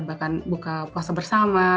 bahkan buka puasa bersama